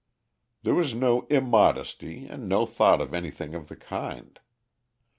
There was no immodesty and no thought of anything of the kind.